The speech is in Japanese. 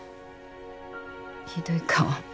ひどい顔。